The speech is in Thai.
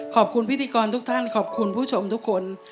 พิธีกรทุกท่านขอบคุณผู้ชมทุกคน